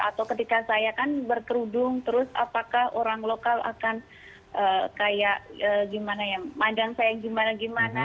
atau ketika saya kan berkerudung terus apakah orang lokal akan kayak gimana ya madang saya gimana gimana